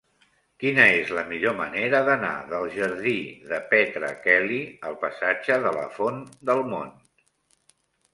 Quina és la millor manera d'anar del jardí de Petra Kelly al passatge de la Font del Mont?